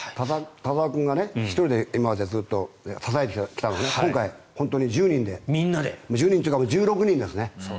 田澤君が１人で今まで支えてきたのを今回、本当に１０人で１０人というか１６人ですね。